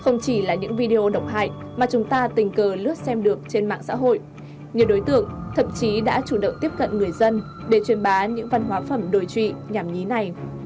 không chỉ là những video độc hại mà chúng ta tình cờ lướt xem được trên mạng xã hội nhiều đối tượng thậm chí đã chủ động tiếp cận người dân để truyền bá những văn hóa phẩm đồi trụy nhảm nhí này